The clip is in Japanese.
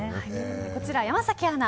こちら、山崎アナ